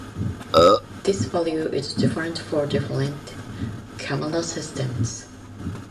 This value is different for different camera systems.